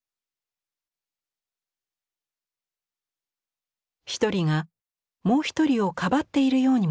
ひとりがもうひとりをかばっているようにも見えます。